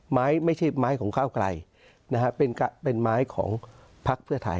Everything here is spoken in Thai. ไม่ใช่ไม้ของก้าวไกลนะฮะเป็นไม้ของพักเพื่อไทย